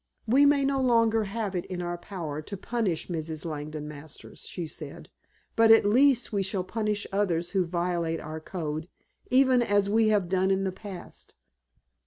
"We may no longer have it in our power to punish Mrs. Langdon Masters," she said. "But at least we shall punish others who violate our code, even as we have done in the past.